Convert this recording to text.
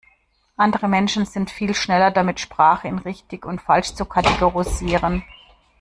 Andere Menschen sind viel schneller damit, Sprache in richtig und falsch zu kategorisieren.